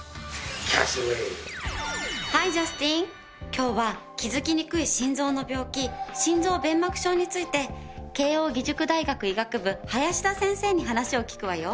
今日は気づきにくい心臓の病気心臓弁膜症について慶應義塾大学医学部林田先生に話を聞くわよ。